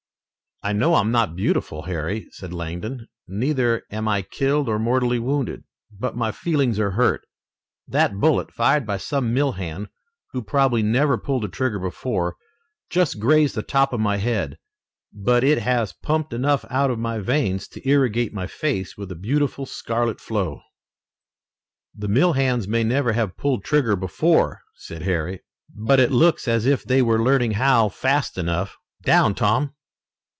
"I know I'm not beautiful, Harry," said Langdon, "neither am I killed or mortally wounded. But my feelings are hurt. That bullet, fired by some mill hand who probably never pulled a trigger before, just grazed the top of my head, but it has pumped enough out of my veins to irrigate my face with a beautiful scarlet flow." "The mill hands may never have pulled trigger before," said Harry, "but it looks as if they were learning how fast enough. Down, Tom!"